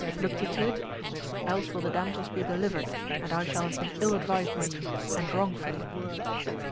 Look ye to it ? Else will the damsels be delivered, and I shall have been ill advised by ye, and wrongfully.